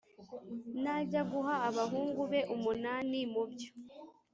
Najya guha abahungu be umunani mu byo